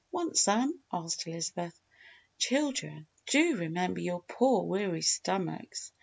Want some?" asked Elizabeth. "Children, do remember your poor weary stomachs!